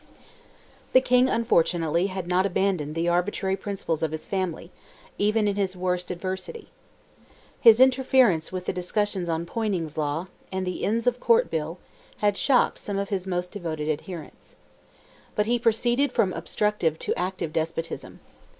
The King, unfortunately, had not abandoned the arbitrary principles of his family, even in his worst adversity. His interference with the discussions on Poyning's Law, and the Inns of Court bill, had shocked some of his most devoted adherents. But he proceeded from obstructive to active despotism.